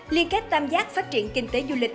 liên kết tam giác phát triển kinh tế du lịch